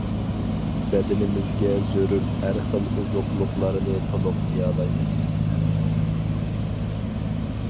بەدىنىمىزگە زۆرۈر ھەر خىل ئوزۇقلۇقلارنى تولۇقلىيالايمىز.